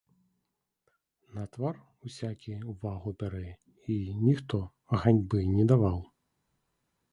На твар усякі ўвагу бярэ, й ніхто ганьбы не даваў.